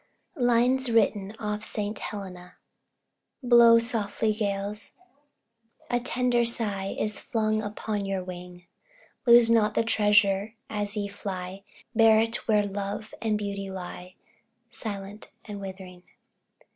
LINES WRITTEN OFF ST. HELENA. Blow softly, gales! a tender sigh Is flung upon your wing; Lose not the treasure as ye fly, Bear it where love and beauty lie, Silent and withering.